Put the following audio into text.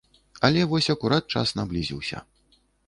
Але вось акурат час наблізіўся.